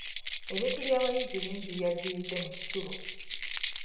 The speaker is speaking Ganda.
Ebintu by'abayizi bingi byajjiiridde mu kisulo.